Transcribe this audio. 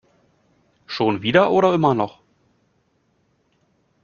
Schon wieder oder immer noch?